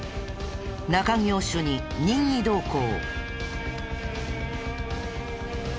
中京署に任意同行。